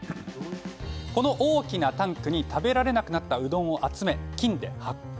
この大きなタンクに食べられなくなったうどんを集め菌で発酵。